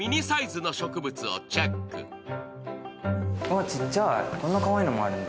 あ、ちっちゃい、こんなかわいいのもあるんだ。